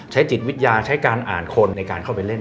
จิตวิทยาใช้การอ่านคนในการเข้าไปเล่น